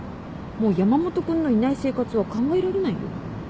もう山本君のいない生活は考えられないよ。